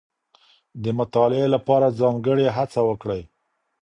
د مطالعې لپاره ځانګړې هڅه وکړئ.